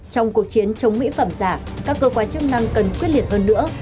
trong cuộc chiến chống mỹ phẩm giả các cơ quan chức năng cần quyết liệt hơn nữa